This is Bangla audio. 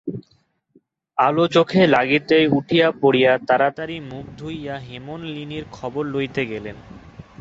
আলো চোখে লাগিতেই উঠিয়া পড়িয়া তাড়াতাড়ি মুখ ধুইয়া হেমনলিনীর খবর লইতে গেলেন।